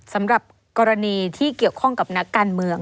สำหรับกรณีที่เกี่ยวข้องกับนักการเมือง